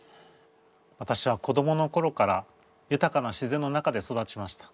わたしは子どもの頃からゆたかな自然の中で育ちました。